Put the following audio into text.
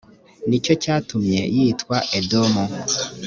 ni cyo cyatumye yitwa edomu